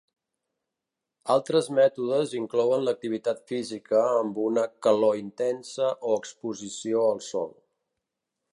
Altres mètodes inclouen l'activitat física amb una calor intensa o exposició al sol.